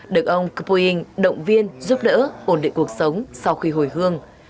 được ông cơ pư inh động viên giúp đỡ ổn định cuộc sống sau khi hồi hương